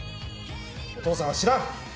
お父さんは知らん！